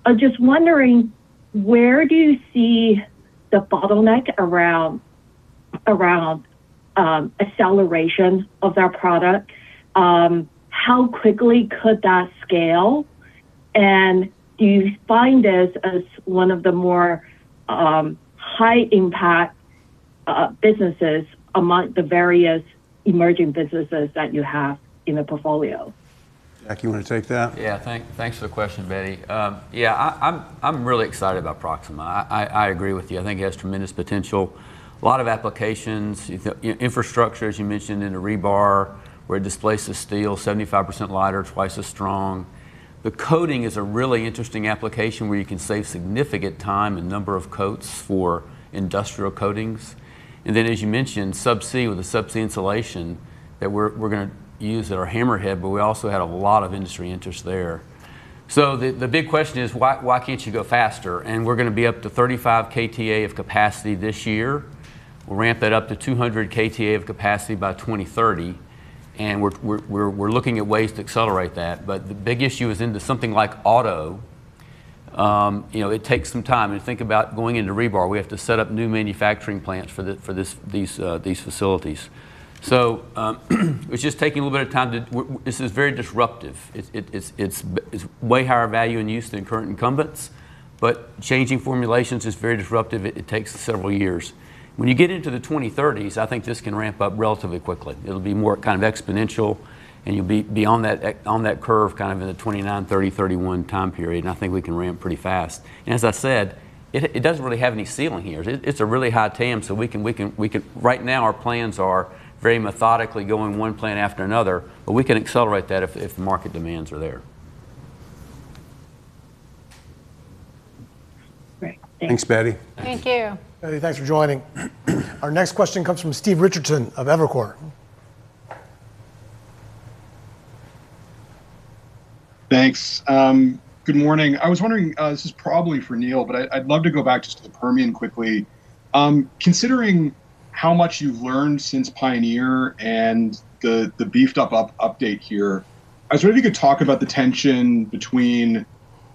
I'm just wondering, where do you see the bottleneck around acceleration of that product? How quickly could that scale? And do you find this as one of the more high-impact businesses among the various emerging businesses that you have in the portfolio? Jack, you want to take that? Yeah. Thanks for the question, Betty. Yeah. I'm really excited about Proxima. I agree with you. I think it has tremendous potential. A lot of applications. Infrastructure, as you mentioned, in a rebar, where it displaces steel, 75% lighter, twice as strong. The coating is a really interesting application where you can save significant time and number of coats for industrial coatings. And then, as you mentioned, subsea with the subsea insulation that we're going to use at our Hammerhead, but we also had a lot of industry interest there. So the big question is, why can't you go faster? And we're going to be up to 35 KTA of capacity this year. We'll ramp that up to 200 KTA of capacity by 2030. And we're looking at ways to accelerate that. But the big issue is into something like auto. It takes some time. And think about going into rebar. We have to set up new manufacturing plants for these facilities. So it's just taking a little bit of time. This is very disruptive. It's way higher value in use than current incumbents. But changing formulations is very disruptive. It takes several years. When you get into the 2030s, I think this can ramp up relatively quickly. It'll be more kind of exponential, and you'll be on that curve kind of in the 2029, 2030, 2031 time period. And I think we can ramp pretty fast. And as I said, it doesn't really have any ceiling here. It's a really high TAM. So right now, our plans are very methodically going one plant after another. But we can accelerate that if the market demands are there. Great. Thanks. Thanks, Betty. Thank you. Betty, thanks for joining. Our next question comes from Steve Richardson of Evercore. Thanks. Good morning. I was wondering, this is probably for Neil, but I'd love to go back just to the Permian quickly. Considering how much you've learned since Pioneer and the beefed-up update here, I was wondering if you could talk about the tension between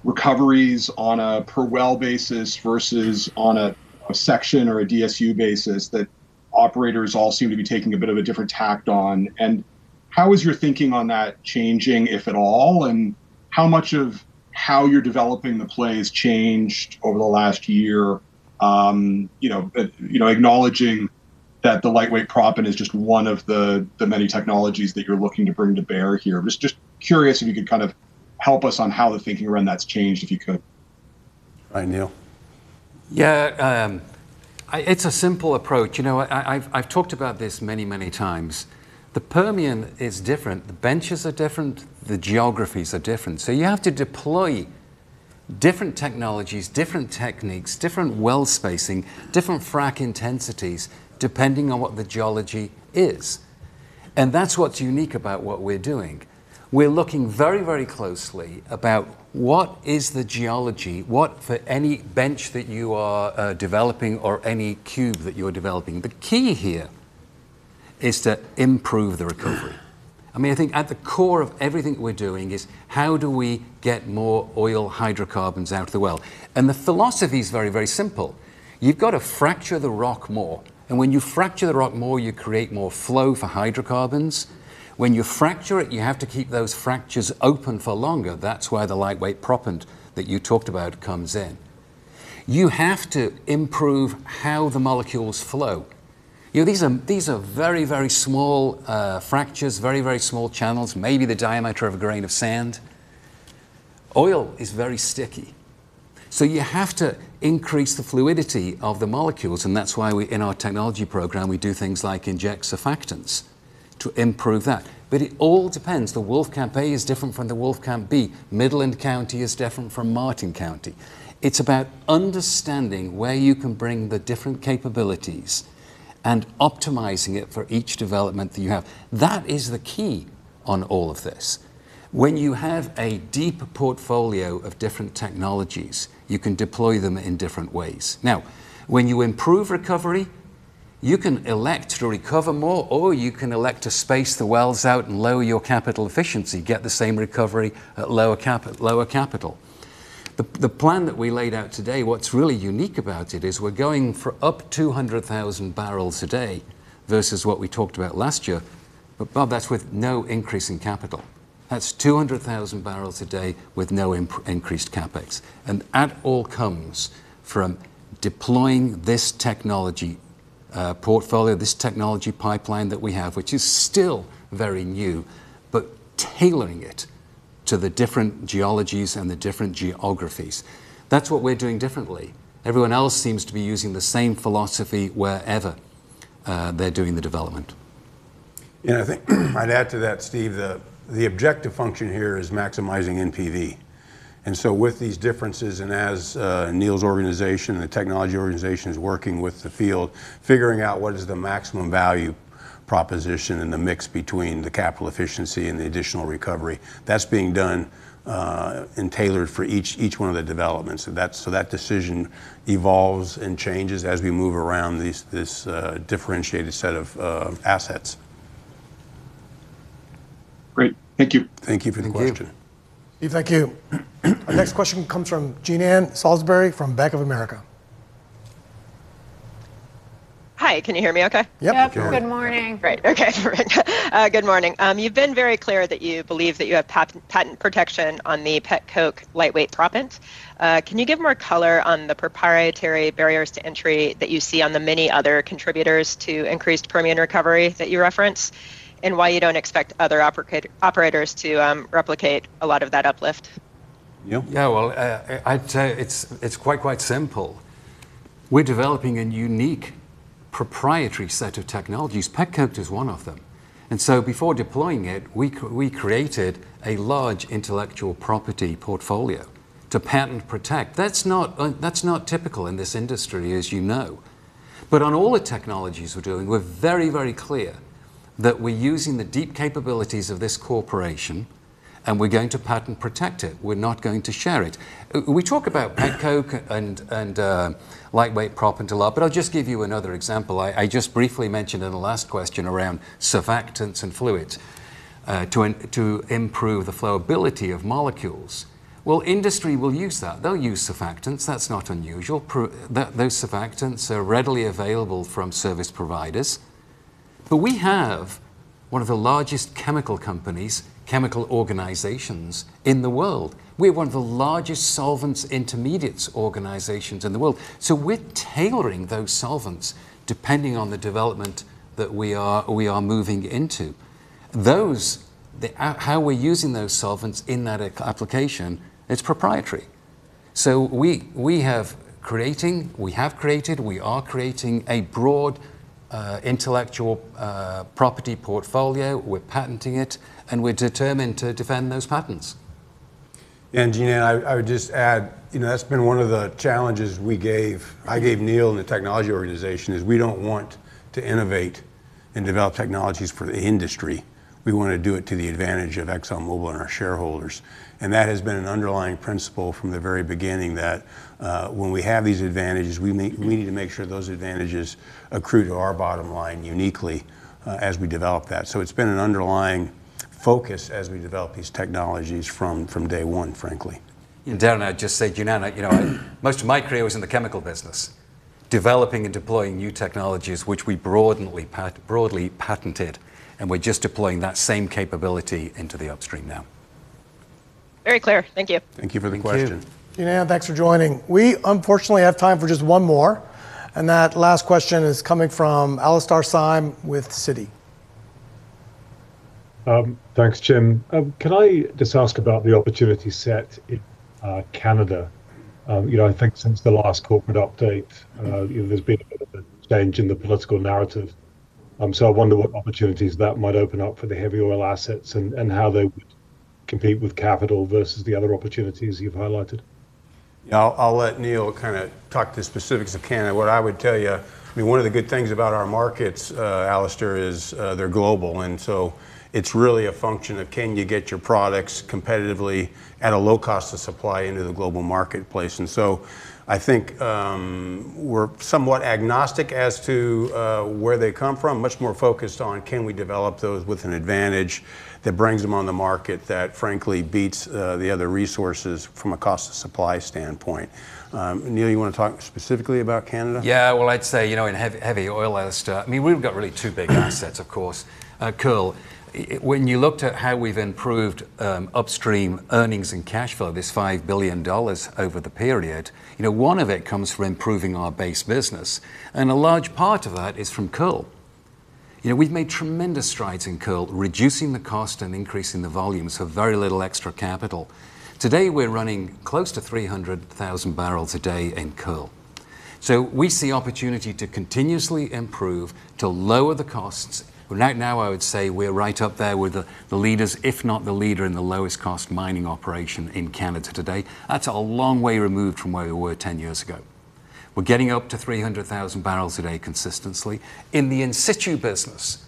recoveries on a per well basis versus on a section or a DSU basis that operators all seem to be taking a bit of a different tack on. And how is your thinking on that changing, if at all? How much of how you're developing the plays changed over the last year, acknowledging that the lightweight proppant is just one of the many technologies that you're looking to bring to bear here? Just curious if you could kind of help us on how the thinking around that's changed, if you could. All right. Neil. Yeah. It's a simple approach. I've talked about this many, many times. The Permian is different. The benches are different. The geographies are different. So you have to deploy different technologies, different techniques, different well spacing, different frac intensities depending on what the geology is. And that's what's unique about what we're doing. We're looking very, very closely about what is the geology, what for any bench that you are developing or any cube that you're developing. The key here is to improve the recovery. I mean, I think at the core of everything that we're doing is how do we get more oil hydrocarbons out of the well? And the philosophy is very, very simple. You've got to fracture the rock more. And when you fracture the rock more, you create more flow for hydrocarbons. When you fracture it, you have to keep those fractures open for longer. That's why the lightweight proppant that you talked about comes in. You have to improve how the molecules flow. These are very, very small fractures, very, very small channels, maybe the diameter of a grain of sand. Oil is very sticky. So you have to increase the fluidity of the molecules. And that's why in our technology program, we do things like inject surfactants to improve that. But it all depends. The Wolfcamp A is different from the Wolfcamp B. Midland County is different from Martin County. It's about understanding where you can bring the different capabilities and optimizing it for each development that you have. That is the key on all of this. When you have a deep portfolio of different technologies, you can deploy them in different ways. Now, when you improve recovery, you can elect to recover more, or you can elect to space the wells out and lower your capital efficiency, get the same recovery at lower capital. The plan that we laid out today, what's really unique about it is we're going for up to 200,000 barrels a day versus what we talked about last year. But that's with no increase in capital. That's 200,000 barrels a day with no increased CapEx. And that all comes from deploying this technology portfolio, this technology pipeline that we have, which is still very new, but tailoring it to the different geologies and the different geographies. That's what we're doing differently. Everyone else seems to be using the same philosophy wherever they're doing the development. Yeah. I'd add to that, Steve, the objective function here is maximizing NPV. And so with these differences and as Neil's organization and the technology organization is working with the field, figuring out what is the maximum value proposition and the mix between the capital efficiency and the additional recovery, that's being done and tailored for each one of the developments. So that decision evolves and changes as we move around this differentiated set of assets. Great. Thank you. Thank you for the question. Steve, thank you. Our next question comes from Jean Ann Salisbury from Bank of America. Hi. Can you hear me okay? Yep. Good morning. Great. Okay. Good morning. You've been very clear that you believe that you have patent protection on the Petcoke lightweight proppant. Can you give more color on the proprietary barriers to entry that you see on the many other contributors to increased Permian recovery that you reference and why you don't expect other operators to replicate a lot of that uplift? Yeah. Well, I'd say it's quite, quite simple. We're developing a unique proprietary set of technologies. Petcoke is one of them. And so before deploying it, we created a large intellectual property portfolio to patent protect. That's not typical in this industry, as you know. But on all the technologies we're doing, we're very, very clear that we're using the deep capabilities of this corporation, and we're going to patent protect it. We're not going to share it. We talk about petcoke and lightweight proppant a lot, but I'll just give you another example. I just briefly mentioned in the last question around surfactants and fluids to improve the flowability of molecules. Well, industry will use that. They'll use surfactants. That's not unusual. Those surfactants are readily available from service providers. But we have one of the largest chemical companies, chemical organizations in the world. We're one of the largest solvents intermediates organizations in the world. So we're tailoring those solvents depending on the development that we are moving into. How we're using those solvents in that application, it's proprietary. So we have created, we are creating a broad intellectual property portfolio. We're patenting it, and we're determined to defend those patents. And Jean Ann, I would just add, that's been one of the challenges we gave. I gave Neil and the technology organization is we don't want to innovate and develop technologies for the industry. We want to do it to the advantage of ExxonMobil and our shareholders. And that has been an underlying principle from the very beginning that when we have these advantages, we need to make sure those advantages accrue to our bottom line uniquely as we develop that. So it's been an underlying focus as we develop these technologies from day one, frankly. And Darren had just said, Jean Ann, most of my career was in the chemical business, developing and deploying new technologies, which we broadly patented. And we're just deploying that same capability into the upstream now. Very clear. Thank you. Thank you for the question. Thank you. Jean Ann, thanks for joining. We, unfortunately, have time for just one more. And that last question is coming from Alastair Syme with Citi. Thanks, Jim. Can I just ask about the opportunity set in Canada? I think since the last corporate update, there's been a bit of a change in the political narrative. So I wonder what opportunities that might open up for the heavy oil assets and how they would compete for capital versus the other opportunities you've highlighted. I'll let Neil kind of talk to specifics of Canada. What I would tell you, I mean, one of the good things about our markets, Alastair, is they're global. And so it's really a function of can you get your products competitively at a low cost of supply into the global marketplace. I think we're somewhat agnostic as to where they come from, much more focused on can we develop those with an advantage that brings them on the market that frankly beats the other resources from a cost of supply standpoint. Neil, you want to talk specifically about Canada? Yeah. Well, I'd say in heavy oil, Alastair, I mean, we've got really two big assets, of course. Kearl, when you looked at how we've improved upstream earnings and cash flow, this $5 billion over the period, one of it comes from improving our base business. And a large part of that is from Kearl. We've made tremendous strides in Kearl, reducing the cost and increasing the volumes for very little extra capital. Today, we're running close to 300,000 barrels a day in Kearl. So we see opportunity to continuously improve to lower the costs. Right now, I would say we're right up there with the leaders, if not the leader in the lowest cost mining operation in Canada today. That's a long way removed from where we were 10 years ago. We're getting up to 300,000 barrels a day consistently. In the in-situ business,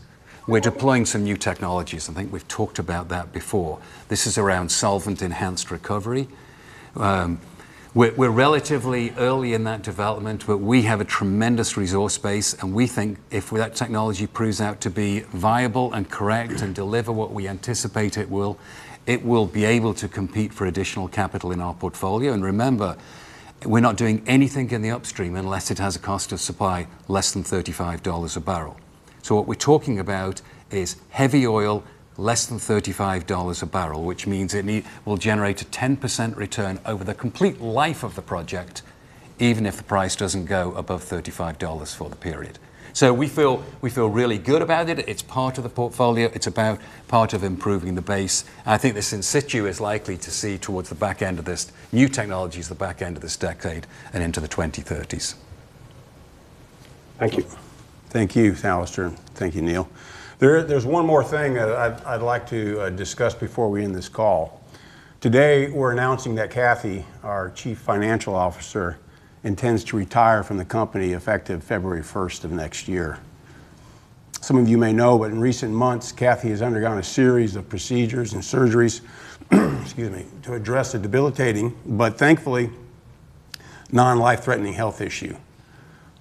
we're deploying some new technologies. I think we've talked about that before. This is around solvent-enhanced recovery. We're relatively early in that development, but we have a tremendous resource base. And we think if that technology proves out to be viable and correct and deliver what we anticipate it will, it will be able to compete for additional capital in our portfolio. And remember, we're not doing anything in the upstream unless it has a cost of supply less than $35 a barrel. So what we're talking about is heavy oil less than $35 a barrel, which means it will generate a 10% return over the complete life of the project, even if the price doesn't go above $35 for the period. So we feel really good about it. It's part of the portfolio. It's about part of improving the base. I think this in-situ is likely to see towards the back end of this new technologies, the back end of this decade and into the 2030s. Thank you. Thank you, Alastair. Thank you, Neil. There's one more thing that I'd like to discuss before we end this call. Today, we're announcing that Kathy, our Chief Financial Officer, intends to retire from the company effective February 1st of next year. Some of you may know, but in recent months, Kathy has undergone a series of procedures and surgeries, excuse me, to address a debilitating, but thankfully non-life-threatening health issue.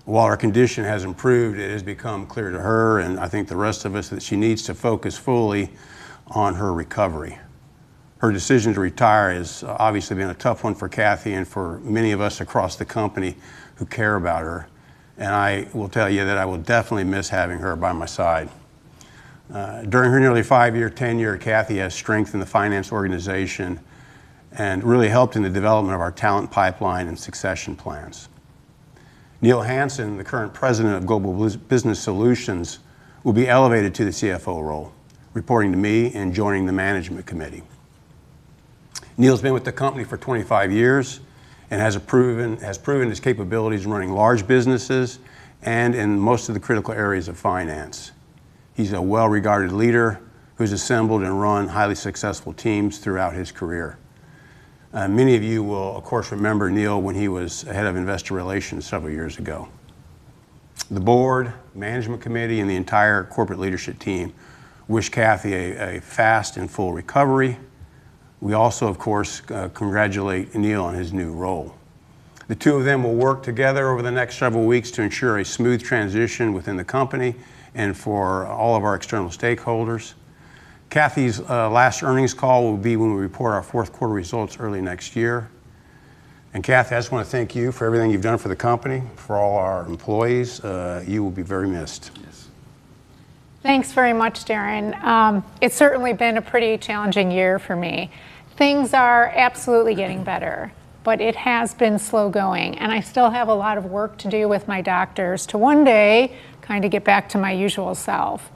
While her condition has improved, it has become clear to her and I think the rest of us that she needs to focus fully on her recovery. Her decision to retire has obviously been a tough one for Kathy and for many of us across the company who care about her, and I will tell you that I will definitely miss having her by my side. During her nearly five-year tenure, Kathy has strengthened the finance organization and really helped in the development of our talent pipeline and succession plans. Neil Hansen, the current president of Global Business Solutions, will be elevated to the CFO role, reporting to me and joining the management committee. Neil's been with the company for 25 years and has proven his capabilities in running large businesses and in most of the critical areas of finance. He's a well-regarded leader who's assembled and run highly successful teams throughout his career. Many of you will, of course, remember Neil when he was head of investor relations several years ago. The board, management committee, and the entire corporate leadership team wish Kathy a fast and full recovery. We also, of course, congratulate Neil on his new role. The two of them will work together over the next several weeks to ensure a smooth transition within the company and for all of our external stakeholders. Kathy's last earnings call will be when we report our fourth quarter results early next year. And Kathy, I just want to thank you for everything you've done for the company, for all our employees. You will be very missed. Thanks very much, Darren. It's certainly been a pretty challenging year for me. Things are absolutely getting better, but it has been slow going. I still have a lot of work to do with my doctors to one day kind of get back to my usual self.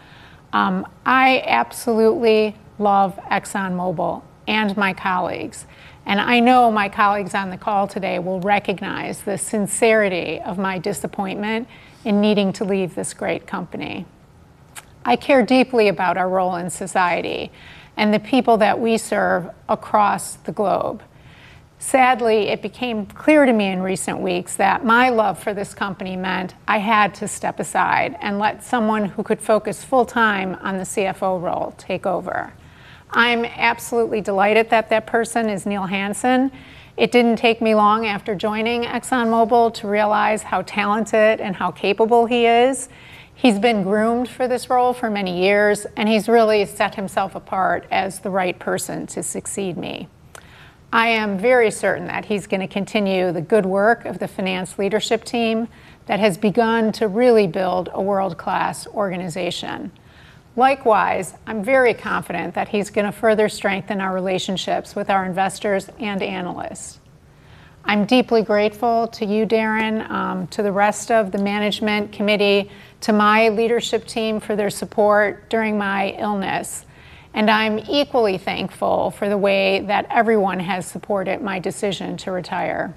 I absolutely love ExxonMobil and my colleagues. I know my colleagues on the call today will recognize the sincerity of my disappointment in needing to leave this great company. I care deeply about our role in society and the people that we serve across the globe. Sadly, it became clear to me in recent weeks that my love for this company meant I had to step aside and let someone who could focus full-time on the CFO role take over. I'm absolutely delighted that that person is Neil Hansen. It didn't take me long after joining ExxonMobil to realize how talented and how capable he is. He's been groomed for this role for many years, and he's really set himself apart as the right person to succeed me. I am very certain that he's going to continue the good work of the finance leadership team that has begun to really build a world-class organization. Likewise, I'm very confident that he's going to further strengthen our relationships with our investors and analysts. I'm deeply grateful to you, Darren, to the rest of the management committee, to my leadership team for their support during my illness, and I'm equally thankful for the way that everyone has supported my decision to retire.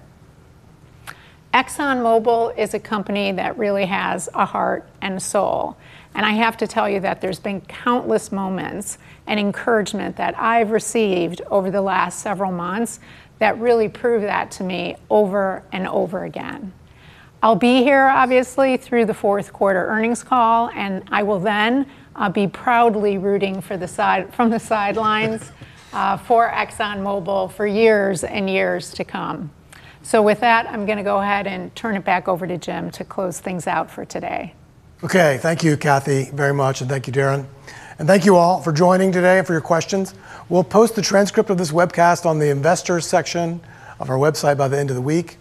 ExxonMobil is a company that really has a heart and a soul. And I have to tell you that there's been countless moments and encouragement that I've received over the last several months that really prove that to me over and over again. I'll be here, obviously, through the fourth quarter earnings call, and I will then be proudly rooting from the sidelines for ExxonMobil for years and years to come. So with that, I'm going to go ahead and turn it back over to Jim to close things out for today. Okay. Thank you, Kathy, very much. And thank you, Darren. And thank you all for joining today and for your questions. We'll post the transcript of this webcast on the investors section of our website by the end of the week.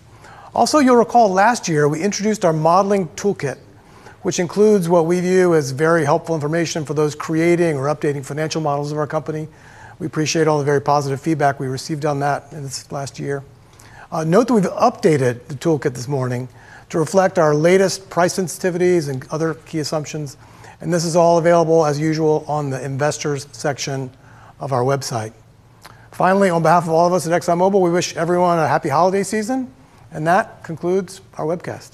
Also, you'll recall last year we introduced our modeling toolkit, which includes what we view as very helpful information for those creating or updating financial models of our company. We appreciate all the very positive feedback we received on that in this last year. Note that we've updated the toolkit this morning to reflect our latest price sensitivities and other key assumptions. And this is all available, as usual, on the investors section of our website. Finally, on behalf of all of us at ExxonMobil, we wish everyone a happy holiday season. And that concludes our webcast.